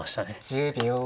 １０秒。